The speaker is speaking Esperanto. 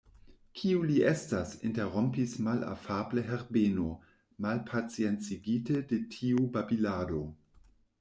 Kiu li estas? interrompis malafable Herbeno, malpaciencigite de tiu babilado.